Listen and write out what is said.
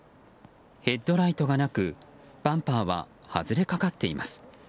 ヘッドライトがなくバンパーは外れかかっています。